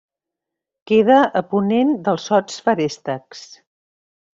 Queda a ponent dels Sots Feréstecs.